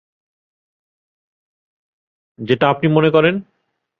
যেটা আপনি মনে করেন।